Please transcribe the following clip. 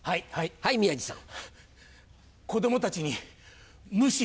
はい宮治さん。